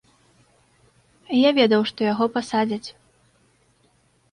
Я ведаў, што яго пасадзяць.